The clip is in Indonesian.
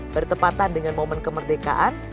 bertepatan dengan momen kemerdekaan